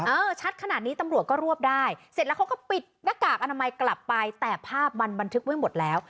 เออชัดขนาดนี้ตำรวจก็รวบได้เสร็จแล้วเขาก็ปิดหน้ากากอนามัยกลับไปแต่ภาพมันบันทึกไว้หมดแล้ว